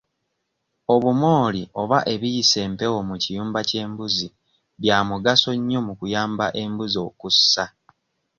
Obumooli oba ebiyisa empewo mu kiyumba ky'embuzi bya mugaso nnyo mu kuyamba embuzi okussa.